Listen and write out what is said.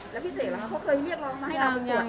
แล้วพี่เสกเค้าเคยเลี่ยงร้องมาให้ออกไปตรวจไง